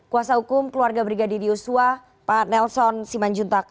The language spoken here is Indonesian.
kuasa hukum keluarga brigadir yosua pak nelson simanjuntak